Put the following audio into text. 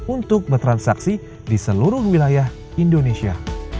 untuk bertransaksi di seluruh wilayah indonesia